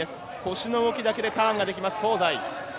腰の動きだけでターンができる香西。